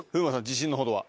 自信のほどは？